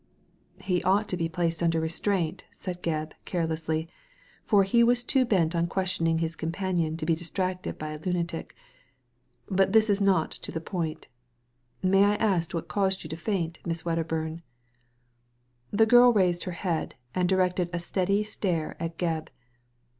" He ought to be placed under restraint," said Gebb, carelessly, for he was too bent on questioning his companion to be distracted by a lunatic " But this is not to the point May I ask what caused you to faint, Miss Wedderburn ?" The girl raised her head and directed a steady stare at Gebb.